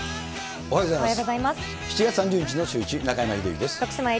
おはようございます。